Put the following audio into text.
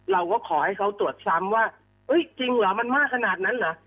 เราก็ขอให้เขาตรวจซ้ำว่าจริงเหรอมันมากขนาดนั้นเหรอ